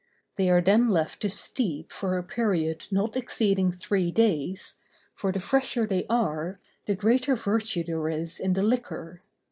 They are then left to steep for a period not exceeding three days, for the fresher they are, the greater virtue there is in the liquor.